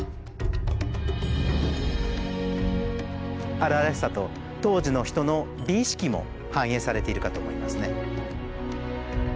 荒々しさと当時の人の美意識も反映されているかと思いますね。